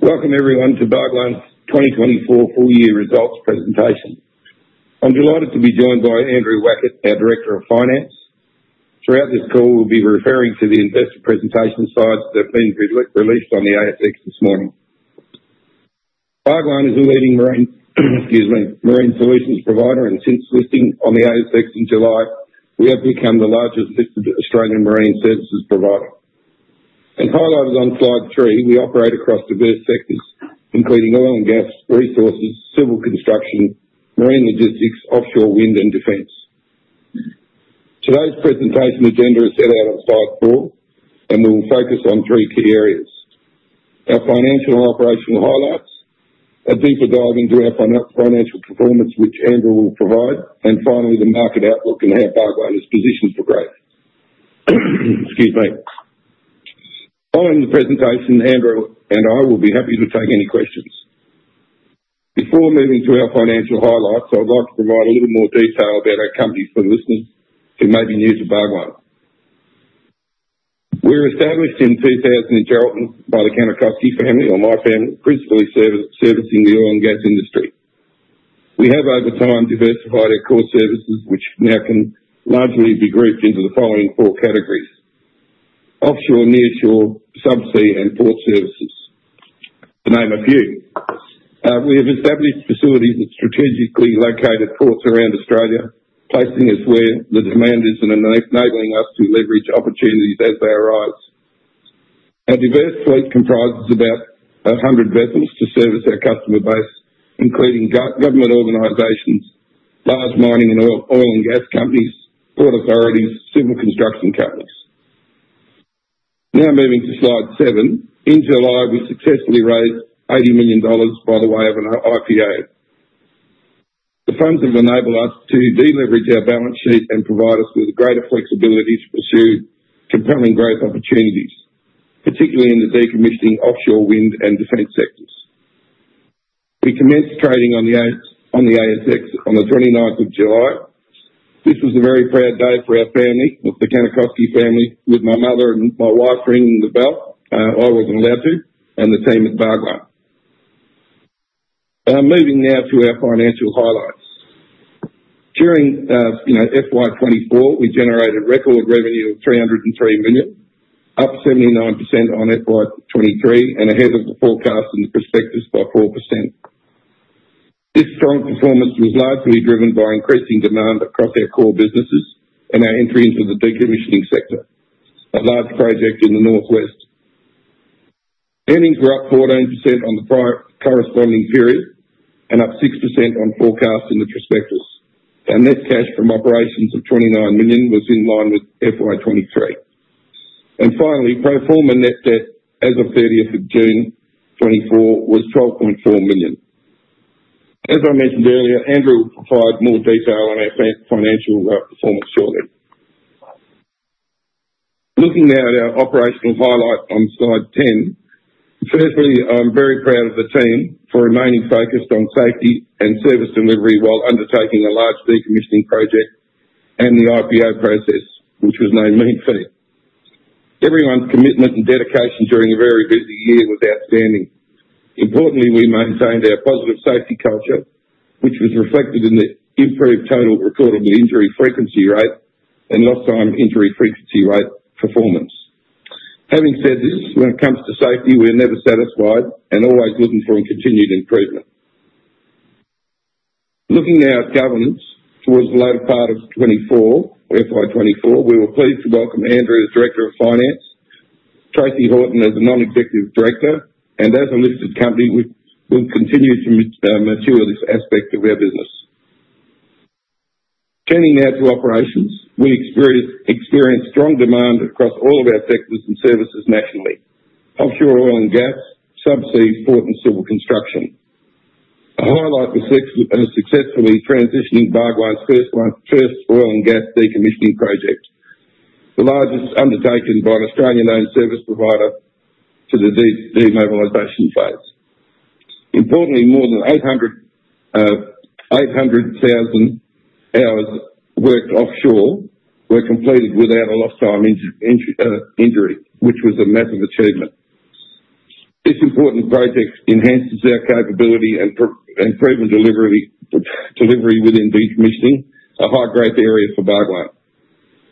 ...Welcome everyone to Bhagwan Marine's 2024 full year results presentation. I'm delighted to be joined by Andrew Wackett, our Director of Finance. Throughout this call, we'll be referring to the investor presentation slides that have been released on the ASX this morning. Bhagwan Marine is a leading marine, excuse me, marine solutions provider, and since listing on the ASX in July, we have become the largest listed Australian marine services provider. As highlighted on slide three, we operate across diverse sectors, including oil and gas, resources, civil construction, marine logistics, offshore wind, and defense. Today's presentation agenda is set out on slide four, and we will focus on three key areas: Our financial and operational highlights, a deeper dive into our financial performance, which Andrew will provide, and finally, the market outlook and how Bhagwan Marine is positioned for growth. Excuse me. Following the presentation, Andrew and I will be happy to take any questions. Before moving to our financial highlights, I'd like to provide a little more detail about our company for listeners who may be new to Bhagwan. We were established in 2000 in Geraldton by the Kannikoski family, or my family, principally servicing the oil and gas industry. We have, over time, diversified our core services, which now can largely be grouped into the following four categories: offshore, nearshore, subsea, and port services, to name a few. We have established facilities in strategically located ports around Australia, placing us where the demand is and enabling us to leverage opportunities as they arise. Our diverse fleet comprises about 100 vessels to service our customer base, including government organizations, large mining and oil and gas companies, port authorities, civil construction companies. Now moving to slide seven. In July, we successfully raised 80 million dollars by way of an IPO. The funds have enabled us to deleverage our balance sheet and provide us with greater flexibility to pursue compelling growth opportunities, particularly in the decommissioning, offshore wind, and defense sectors. We commenced trading on the eighth on the ASX on the 29th July. This was a very proud day for our family, the Kannikoski family, with my mother and my wife ringing the bell. I wasn't allowed to, and the team at Bhagwan Marine. I'm moving now to our financial highlights. During you know, FY 2024, we generated record revenue of 303 million, up 79% on FY 2023 and ahead of the forecast and the prospectus by 4%. This strong performance was largely driven by increasing demand across our core businesses and our entry into the decommissioning sector, a large project in the North West. Earnings were up 14% on the prior corresponding period and up 6% on forecast in the prospectus. Our net cash from operations of 29 million was in line with FY 2023. And finally, pro forma net debt as of thirtieth of June 2024 was 12.4 million. As I mentioned earlier, Andrew will provide more detail on our financial performance shortly. Looking now at our operational highlights on Slide 10. Firstly, I'm very proud of the team for remaining focused on safety and service delivery while undertaking a large decommissioning project and the IPO process, which was no mean feat. Everyone's commitment and dedication during a very busy year was outstanding. Importantly, we maintained our positive safety culture, which was reflected in the improved total recordable injury frequency rate and lost time injury frequency rate performance. Having said this, when it comes to safety, we are never satisfied and always looking for a continued improvement. Looking at our governance towards the latter part of 2024, FY 2024, we were pleased to welcome Andrew as Director of Finance, Tracey Horton as a non-executive director, and as a listed company, we will continue to mature this aspect of our business. Turning now to operations. We experienced strong demand across all of our sectors and services nationally: offshore oil and gas, subsea, port, and civil construction. A highlight was successfully transitioning Bhagwan Marine's first oil and gas decommissioning project, the largest undertaken by an Australian-owned service provider, to the demobilization phase. Importantly, more than 800,000 hours worked offshore were completed without a lost time injury, which was a massive achievement. This important project enhances our capability and process improvement delivery within decommissioning, a high-growth area for Bhagwan Marine.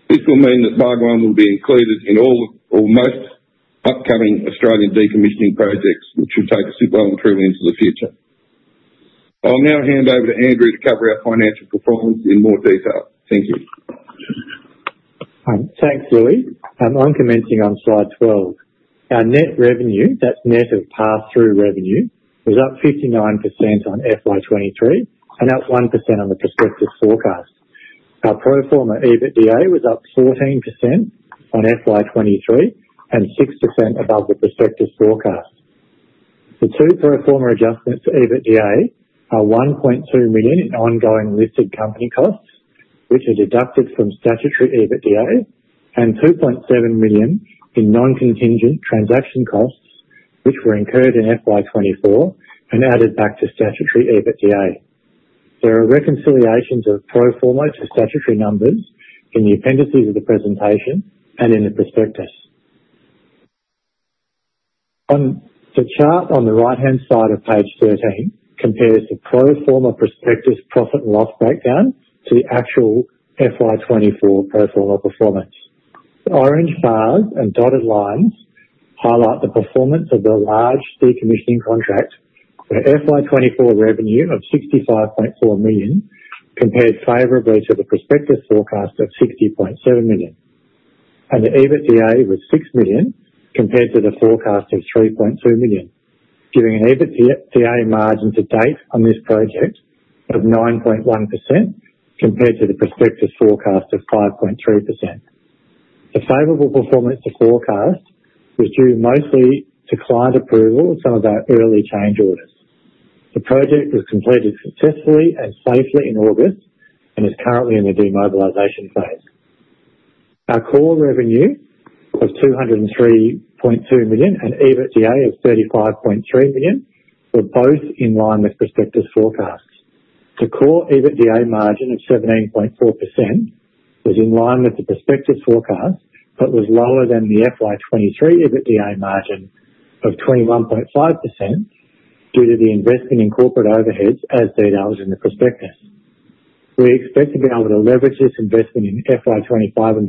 This will mean that Bhagwan Marine will be included in all or most upcoming Australian decommissioning projects, which should take us well into the future. I'll now hand over to Andrew to cover our financial performance in more detail. Thank you. Thanks, Loui. I'm commencing on slide 12. Our net revenue, that's net of pass-through revenue, was up 59% on FY 2023 and up 1% on the prospectus forecast. Our pro forma EBITDA was up 14% on FY 2023 and 6% above the prospectus forecast. The two pro forma adjustments to EBITDA are 1.2 million in ongoing listed company costs, which are deducted from statutory EBITDA, and 2.7 million in non-contingent transaction costs, which were incurred in FY 2024 and added back to statutory EBITDA. There are reconciliations of pro formas to statutory numbers in the appendices of the presentation and in the prospectus. On the chart on the right-hand side of page 13 compares the pro forma prospectus profit and loss breakdown to the actual FY 2024 pro forma performance. The orange bars and dotted lines highlight the performance of the large decommissioning contract, where FY 2024 revenue of 65.4 million compared favorably to the prospectus forecast of 60.7 million, and the EBITDA was 6 million, compared to the forecast of 3.2 million, giving an EBITDA margin to date on this project of 9.1%, compared to the prospectus forecast of 5.3%. The favorable performance to forecast was due mostly to client approval of some of our early change orders. The project was completed successfully and safely in August and is currently in the demobilization phase. Our core revenue of 203.2 million and EBITDA of 35.3 million were both in line with prospectus forecasts. The core EBITDA margin of 17.4% was in line with the prospectus forecast, but was lower than the FY 2023 EBITDA margin of 21.5%, due to the investing in corporate overheads, as detailed in the prospectus. We expect to be able to leverage this investment in FY 2025 and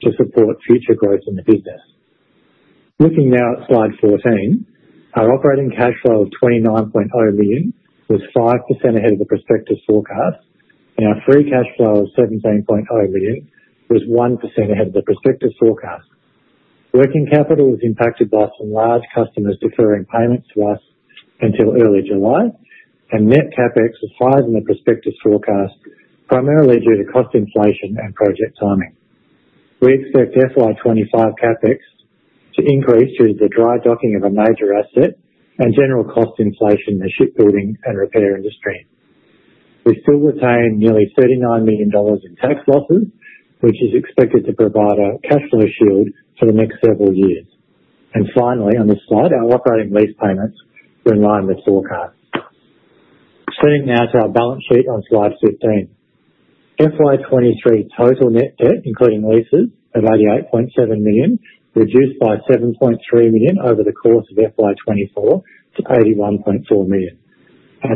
beyond to support future growth in the business. Looking now at slide 14, our operating cash flow of 29 million was 5% ahead of the prospectus forecast, and our free cash flow of 17 million was 1% ahead of the prospectus forecast. Working capital was impacted by some large customers deferring payments to us until early July, and net CapEx was higher than the prospectus forecast, primarily due to cost inflation and project timing. We expect FY 2025 CapEx to increase due to the dry docking of a major asset and general cost inflation in the shipbuilding and repair industry. We still retain nearly 39 million dollars in tax losses, which is expected to provide a cash flow shield for the next several years. Finally, on this slide, our operating lease payments were in line with forecast. Turning now to our balance sheet on slide 15. FY 2023 total net debt, including leases, of 88.7 million reduced by 7.3 million over the course of FY 2024 to 81.4 million.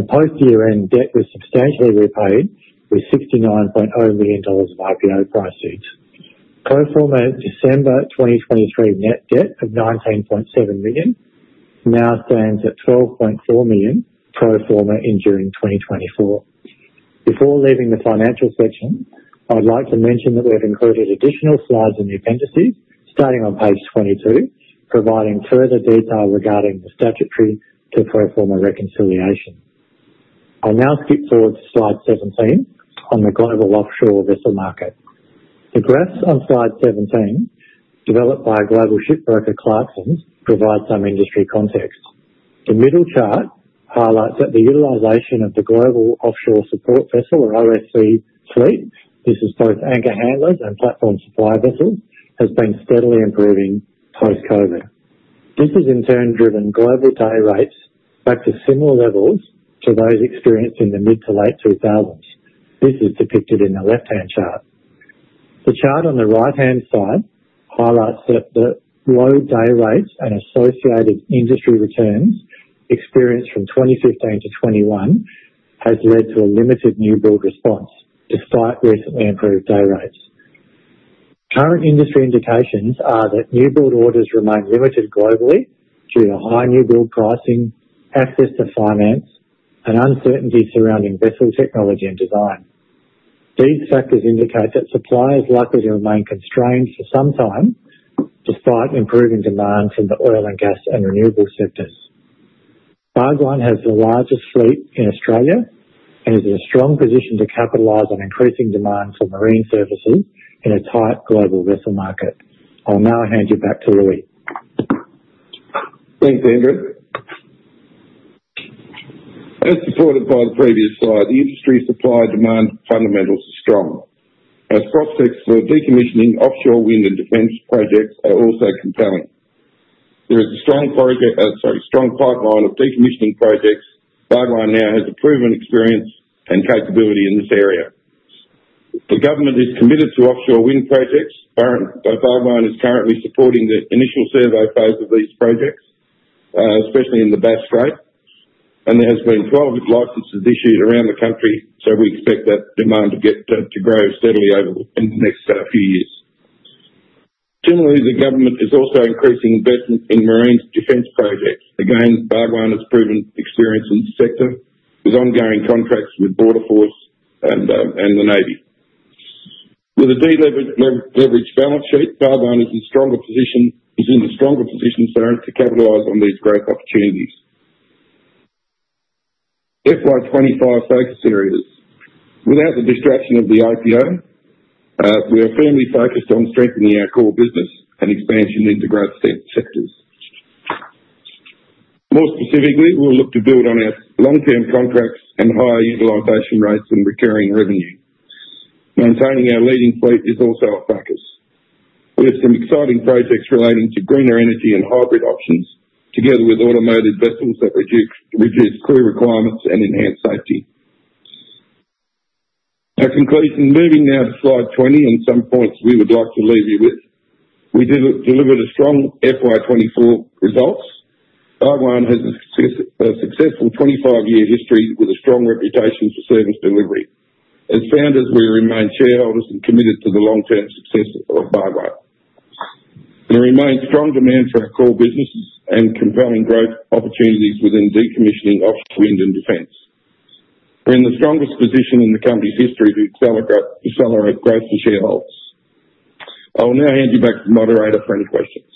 Post-year-end debt was substantially repaid, with 69 million dollars of IPO proceeds. Pro forma December 2023 net debt of 19.7 million now stands at 12.4 million pro forma in June 2024. Before leaving the financial section, I'd like to mention that we have included additional slides in the appendices starting on page 22, providing further detail regarding the statutory to pro forma reconciliation. I'll now skip forward to slide 17 on the global offshore vessel market. The graphs on slide 17, developed by a global shipbroker, Clarksons, provide some industry context. The middle chart highlights that the utilization of the global offshore support vessel, or OSV fleet, this is both anchor handlers and platform supply vessels, has been steadily improving post-COVID. This has in turn driven global day rates back to similar levels to those experienced in the mid to late two thousands. This is depicted in the left-hand chart. The chart on the right-hand side highlights that the low day rates and associated industry returns experienced from 2015 to 2021 has led to a limited newbuild response, despite recently improved day rates. Current industry indications are that newbuild orders remain limited globally due to high newbuild pricing, access to finance, and uncertainty surrounding vessel technology and design. These factors indicate that supply is likely to remain constrained for some time, despite improving demand from the oil and gas and renewable sectors. Bhagwan has the largest fleet in Australia and is in a strong position to capitalize on increasing demand for marine services in a tight global vessel market. I'll now hand you back to Loui. Thanks, Andrew. As supported by the previous slide, the industry supply-demand fundamentals are strong, as prospects for decommissioning offshore wind and defense projects are also compelling. There is a strong project, sorry, strong pipeline of decommissioning projects. Bhagwan now has a proven experience and capability in this area. The government is committed to offshore wind projects. Bhagwan is currently supporting the initial survey phase of these projects, especially in the Bass Strait, and there has been 12 licenses issued around the country, so we expect that demand to get to grow steadily over the next few years. Generally, the government is also increasing investment in marine defense projects. Again, Bhagwan has proven experience in this sector, with ongoing contracts with Border Force and the Navy. With a leveraged balance sheet, Bhagwan is in a stronger position, sorry, to capitalize on these growth opportunities. FY twenty-five focus areas. Without the distraction of the IPO, we are firmly focused on strengthening our core business and expansion into growth sectors. More specifically, we'll look to build on our long-term contracts and higher utilization rates and recurring revenue. Maintaining our leading fleet is also a focus. We have some exciting projects relating to greener energy and hybrid options, together with automated vessels that reduce crew requirements and enhance safety. In conclusion, moving now to slide twenty and some points we would like to leave you with. We delivered a strong FY twenty-four results. Bhagwan has a successful twenty-five year history with a strong reputation for service delivery. As founders, we remain shareholders and committed to the long-term success of Bhagwan. There remains strong demand for our core businesses and compelling growth opportunities within decommissioning, offshore wind, and defense. We're in the strongest position in the company's history to accelerate growth for shareholders. I will now hand you back to the moderator for any questions.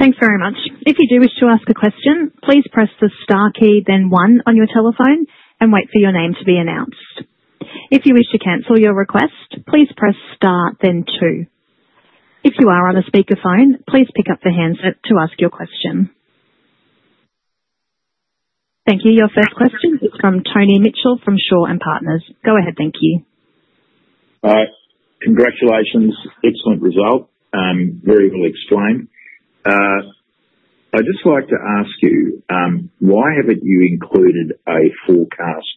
Thanks very much. If you do wish to ask a question, please press the star key, then one on your telephone and wait for your name to be announced. If you wish to cancel your request, please press star, then two. If you are on a speakerphone, please pick up the handset to ask your question. Thank you. Your first question comes from Tony Mitchell, from Shaw and Partners. Go ahead, thank you. Congratulations. Excellent result, very well explained. I'd just like to ask you, why haven't you included a forecast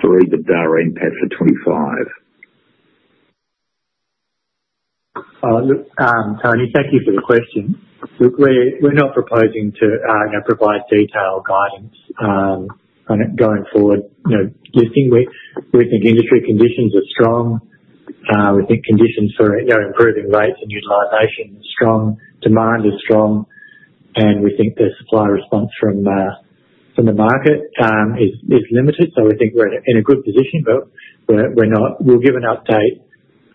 through the back half for 2025? Look, Tony, thank you for the question. We're not proposing to, you know, provide detailed guidance on it going forward. You know, listing, we think industry conditions are strong. We think conditions for, you know, improving rates and utilization are strong, demand is strong, and we think the supply response from the market is limited. So we think we're in a good position, but we're not... We'll give an update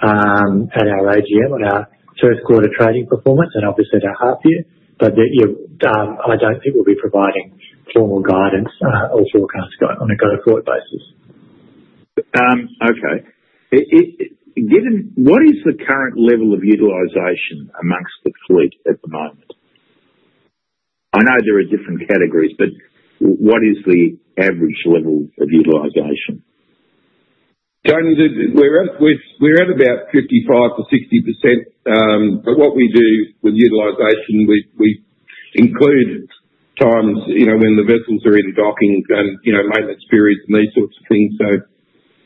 at our AGM on our first quarter trading performance and obviously at our half year. But I don't think we'll be providing formal guidance or forecast guide- on a go-forward basis. Okay. Given, what is the current level of utilization among the fleet at the moment? I know there are different categories, but what is the average level of utilization? Tony, we're at about 55%-60%. But what we do with utilization, we include times, you know, when the vessels are either docking and, you know, maintenance periods and these sorts of things. So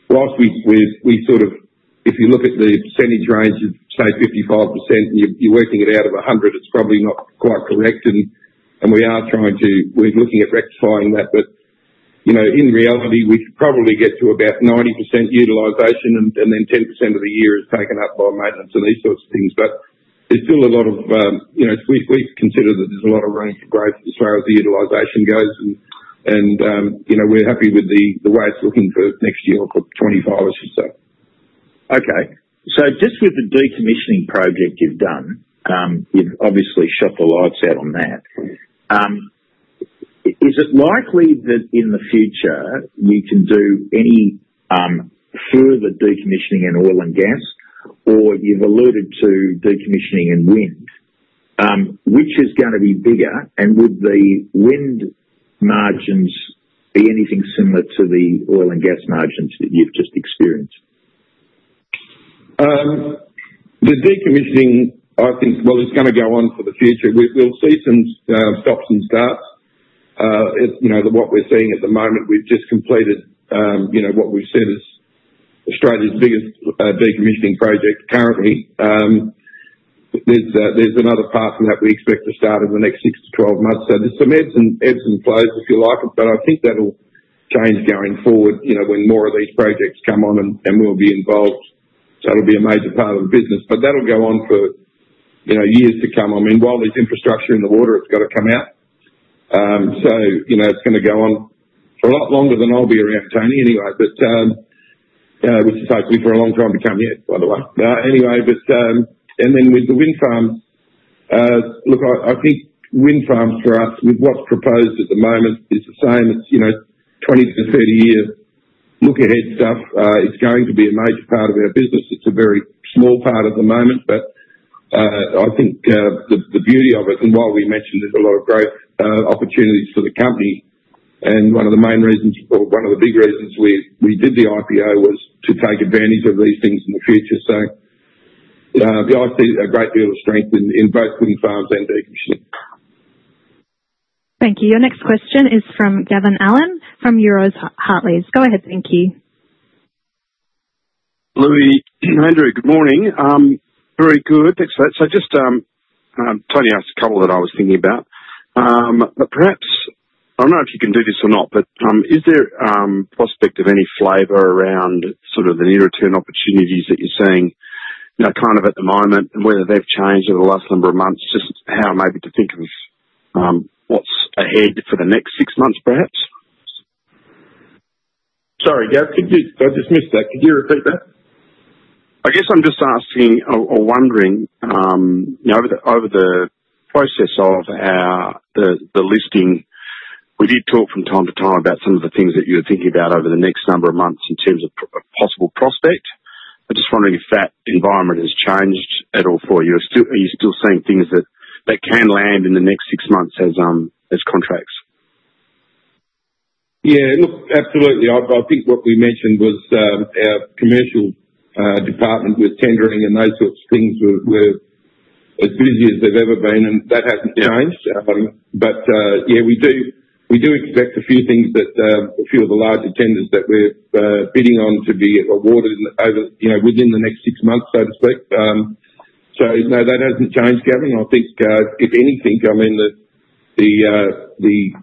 whilst we've, we sort of... If you look at the percentage range of, say, 55%, and you're working it out of a hundred, it's probably not quite correct. And we are trying to- we're looking at rectifying that. But, you know, in reality, we probably get to about 90% utilization, and then 10% of the year is taken up by maintenance and these sorts of things. But there's still a lot of, you know, we consider that there's a lot of room for growth as far as the utilization goes. You know, we're happy with the way it's looking for next year or for 2025 as we say. Okay, so just with the decommissioning project you've done, you've obviously shut the lights out on that. Is it likely that in the future you can do any further decommissioning in oil and gas? Or you've alluded to decommissioning and wind, which is gonna be bigger, and would the wind margins be anything similar to the oil and gas margins that you've just experienced? The decommissioning, I think. Well, it's gonna go on for the future. We, we'll see some stops and starts. It's, you know, what we're seeing at the moment, we've just completed, you know, what we've said is Australia's biggest decommissioning project currently. There's another part from that we expect to start in the next six to 12 months. So there's some ebbs and flows, if you like, but I think that'll change going forward, you know, when more of these projects come on and we'll be involved. So it'll be a major part of the business, but that'll go on for, you know, years to come. I mean, while there's infrastructure in the water, it's got to come out. So you know, it's gonna go on for a lot longer than I'll be around, Tony, anyway. But which is hopefully for a long time to come yet, by the way. Anyway, but and then with the wind farms, look, I think wind farms for us, with what's proposed at the moment, is the same. It's, you know, 20-30 year look ahead stuff. It's going to be a major part of our business. It's a very small part at the moment, but I think the beauty of it, and while we mentioned there's a lot of great opportunities for the company, and one of the main reasons or one of the big reasons we did the IPO, was to take advantage of these things in the future. So we obviously see a great deal of strength in both wind farms and decommissioning. Thank you. Your next question is from Gavin Allen, from Euroz Hartleys. Go ahead, thank you. Loui and Andrew, good morning. Very good. Thanks for that, so just, Tony asked a couple that I was thinking about, but perhaps... I don't know if you can do this or not, but, is there prospect of any flavor around sort of the near-term opportunities that you're seeing, you know, kind of at the moment, and whether they've changed over the last number of months? Just how maybe to think of what's ahead for the next six months, perhaps. Sorry, Gavin, I just missed that. Could you repeat that? I guess I'm just asking or wondering, you know, over the process of the listing, we did talk from time to time about some of the things that you were thinking about over the next number of months in terms of possible prospect. I just wondering if that environment has changed at all for you. Are you still seeing things that can land in the next six months as contracts?... Yeah, look, absolutely. I think what we mentioned was our commercial department with tendering and those sorts of things were as busy as they've ever been, and that hasn't changed. But yeah, we do expect a few of the larger tenders that we're bidding on to be awarded over, you know, within the next six months, so to speak. So no, that hasn't changed, Gavin. I think if anything, I mean, the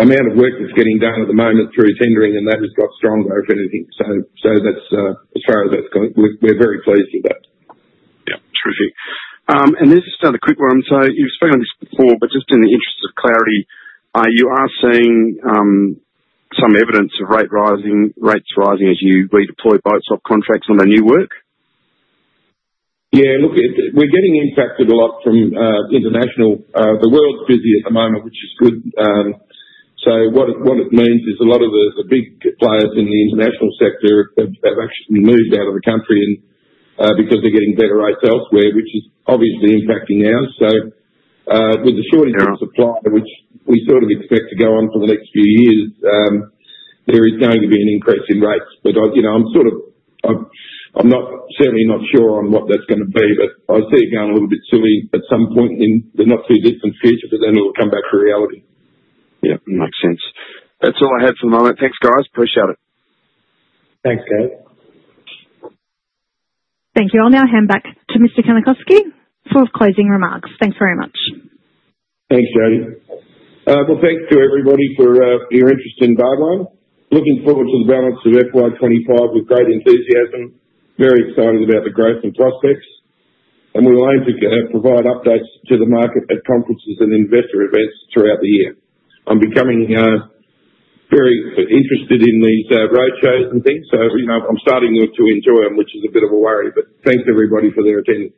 amount of work that's getting done at the moment through tendering and that has got stronger, if anything. So that's as far as that's going, we're very pleased with that. Yeah. Terrific. And this is just another quick one. So you've spoken on this before, but just in the interest of clarity, you are seeing some evidence of rate rising, rates rising as you redeploy spot contracts on the new work? Yeah, look, we're getting impacted a lot from international. The world's busy at the moment, which is good. So what it means is a lot of the big players in the international sector have actually moved out of the country and because they're getting better rates elsewhere, which is obviously impacting us. So with the shortage of supply, which we sort of expect to go on for the next few years, there is going to be an increase in rates. But, you know, I'm sort of not certainly not sure on what that's gonna be, but I see it going a little bit silly at some point in the not-too-distant future, but then it'll come back to reality. Yeah, makes sense. That's all I have for the moment. Thanks, guys. Appreciate it. Thanks, Gavin. Thank you. I'll now hand back to Mr. Kannikoski for his closing remarks. Thanks very much. Thanks, Jodie. Well, thanks to everybody for your interest in Bhagwan. Looking forward to the balance of FY twenty-five with great enthusiasm. Very excited about the growth and prospects, and we're going to provide updates to the market at conferences and investor events throughout the year. I'm becoming very interested in these roadshows and things, so, you know, I'm starting to enjoy them, which is a bit of a worry, but thanks everybody for their attendance.